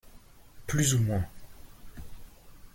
Plus ou moins.